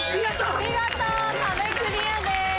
見事壁クリアです。